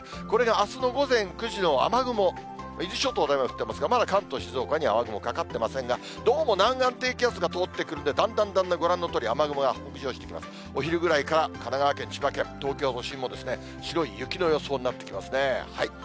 これがあすの午前９時の雨雲、伊豆諸島でまだ関東、静岡には雨雲かかってませんが、どうも南岸低気圧が通ってくるので、だんだんだんだんご覧のとおり、雨雲が北上してきて、お昼ぐらいから神奈川県、千葉県、東京都心も白い雪の予想になってきますね。